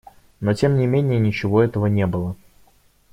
Но тем не менее ничего этого не было.